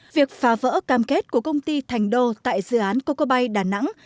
việc phá vỡ cam kết của công ty thành đô tại dự án coco bay đà nẵng